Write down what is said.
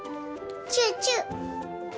チューチュー。